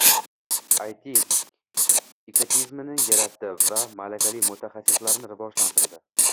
AyTi ekotizimini yaratdi va malakali mutaxassislarni rivojlantirdi.